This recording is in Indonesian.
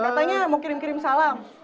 katanya mau kirim kirim salam